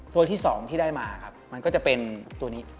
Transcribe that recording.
ตัวที่สองที่ได้มามันก็จะเป็นตัวนี้